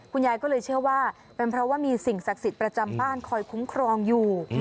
คุณยายก็เลยเชื่อว่าเป็นเพราะว่ามีสิ่งศักดิ์สิทธิ์ประจำบ้านคอยคุ้มครองอยู่